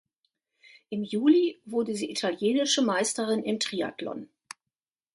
Im Juli wurde sie Italienische Meisterin im Triathlon.